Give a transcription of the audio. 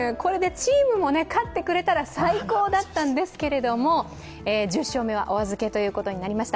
チームも勝ってくれたら最高だったんですけど、１０勝目はお預けということになりました。